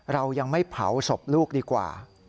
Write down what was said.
เรายังไม่เผาศพลูกดีกว่า